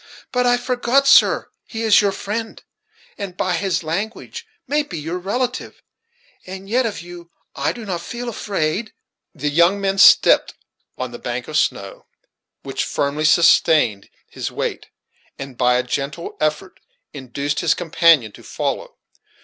But I forgot, sir; he is your friend, and by his language may be your relative; and yet of you I do not feel afraid." The young man stepped on the bank of snow, which firmly sustained his weight, and by a gentle effort induced his companion to follow.